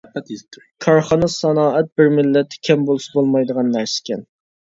كارخانا-سانائەت بىر مىللەتتە كەم بولسا بولمايدىغان نەرسىكەن.